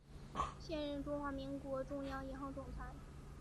现任中华民国中央银行总裁。